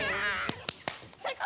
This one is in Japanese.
最高！